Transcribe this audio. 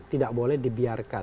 tidak boleh dibiarkan